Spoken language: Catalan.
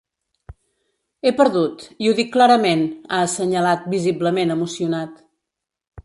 He perdut, i ho dic clarament, ha assenyalat, visiblement emocionat.